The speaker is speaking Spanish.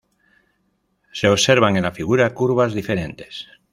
Se observan en la figura curvas diferentes.